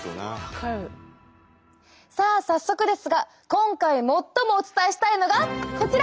さあ早速ですが今回最もお伝えしたいのがこちら！